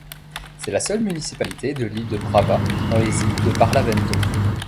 C'est la seule municipalité de l'île de Brava, dans les îles de Barlavento.